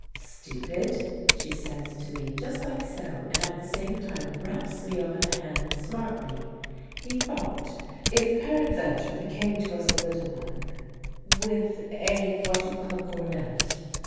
'Stupid!' she says to me, just like so, and at the same time raps me over the hand smartly. 'He thought if peradventure there came to us a little one ' "'With a what you call cornet?'